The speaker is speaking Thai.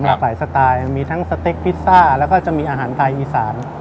หลากหลายสไตล์มีทั้งสเต็กพิซซ่าแล้วก็จะมีอาหารไทยอีสาน